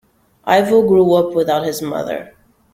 Ivo grew up without his mother.